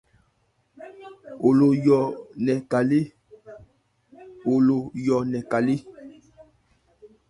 Wo lo yɔ nkɛ ka lé.